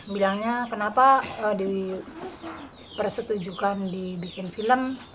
bilangnya kenapa di persetujukan dibikin film